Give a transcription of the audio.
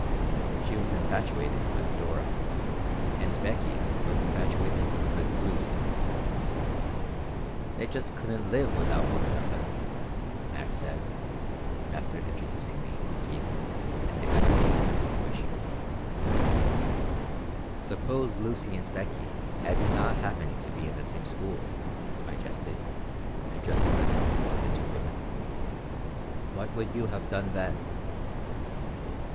She was infatuated with Dora, and Beckie was infatuated with Lucy "They just couldn't live without one another," Max said, after introducing me to Sadie and explaining the situation "Suppose Lucy and Beckie had not happened to be in the same school," I jested, addressing myself to the two women. "What would you have done then?"